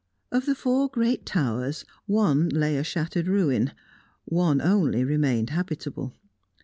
Of the four great towers, one lay a shattered ruin, one only remained habitable.